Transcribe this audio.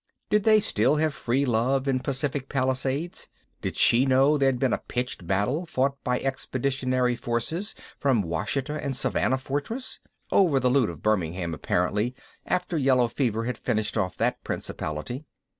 Did they still have free love in Pacific Palisades? Did she know there'd been a pitched battle fought by expeditionary forces from Ouachita and Savannah Fortress? Over the loot of Birmingham, apparently, after yellow fever had finished off that principality.